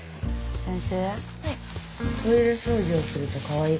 先生。